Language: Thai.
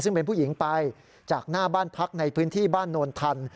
ซึ่งเป็นผู้หญิงไปจากหน้าบ้านพักในพื้นที่บ้านโนนทัน